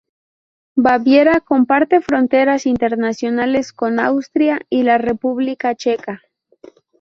Baviera comparte fronteras internacionales con Austria y la República Checa.